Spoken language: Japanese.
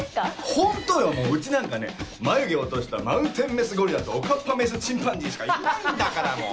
ホントようちなんかね眉毛落としたマウンテンメスゴリラとおかっぱメスチンパンジーしかいないんだからもう。